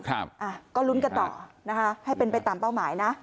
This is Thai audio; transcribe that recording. ครับอ่ะก็ลุ้นกันต่อนะคะให้เป็นไปตามเป้าหมายนะ